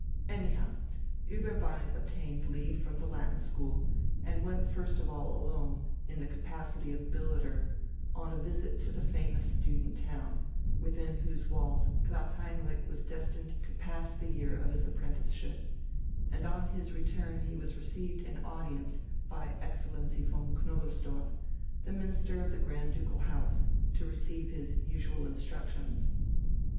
Anyhow Ueberbein obtained leave from the Latin school, and went first of all alone, in the capacity of billeter, on a visit to the famous student town, within whose walls Klaus Heinrich was destined to pass the year of his apprenticeship, and on his return he was received in audience by Excellency von Knobelsdorff, the Minister of the Grand Ducal House, to receive the usual instructions.